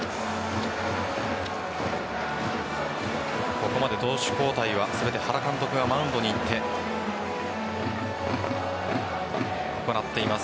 ここまで投手交代は全て原監督がマウンドに行って行っています。